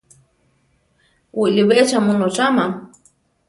Wiʼlibé cha mu nocháma?